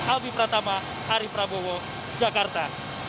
albi pratama ari prabowo jakarta